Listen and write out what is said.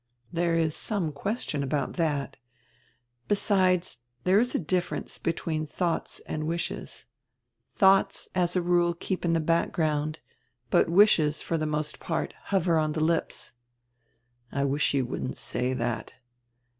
"There is some question about that. Besides, there is a difference between dioughts and wishes. Thoughts, as a rule, keep in die background, but wishes, for die most part, hover on die lips." "I wish you wouldn't say diat."